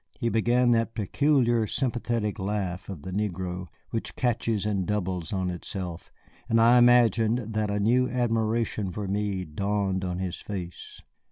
He began that peculiar, sympathetic laugh of the negro, which catches and doubles on itself, and I imagined that a new admiration for me dawned on his face.